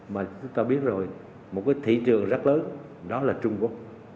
mà chúng ta biết rồi một cái thị trường rất lớn đó là trung quốc